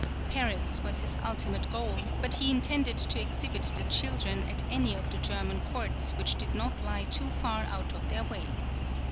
Paris was his ultimate goal, but he intended to exhibit the children at any of the German courts which did not lie too far out of their way.